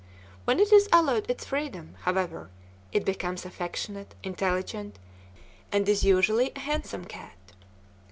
When it is allowed its freedom, however, it becomes affectionate, intelligent, and is usually a handsome cat.